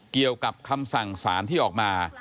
เกี่ยวกับคำสั่งสารที่ออกมา